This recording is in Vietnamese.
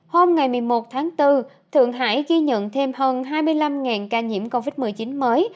hôm ngày một mươi một tháng bốn thượng hải ghi nhận thêm hơn hai mươi năm ca nhiễm covid một mươi chín mới